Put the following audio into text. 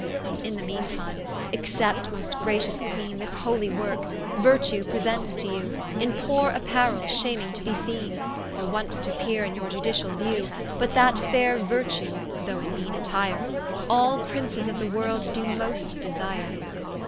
In the meane time, accept most gratious Queene This holy worke, Virtue presents to you, In poore apparell, shaming to be seene, Or once t'appeare in your iudiciall view: But that faire Virtue, though in meane attire, All Princes of the world doe most desire.